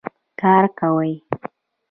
کار کوي